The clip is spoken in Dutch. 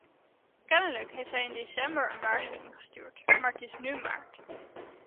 Kennelijk heeft zij in december een waarschuwing gestuurd, maar het is nu maart.